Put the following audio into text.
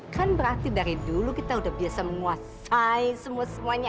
kan berarti dari dulu kita udah biasa menguasai semua semuanya